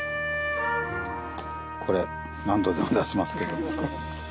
これ何度でも出しますけど。